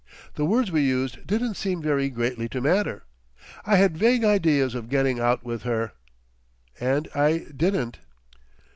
The words we used didn't seem very greatly to matter. I had vague ideas of getting out with her—and I didn't.